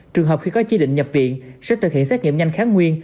trường hợp khi có chỉ định nhập viện sẽ thực hiện xét nghiệm nhanh kháng nguyên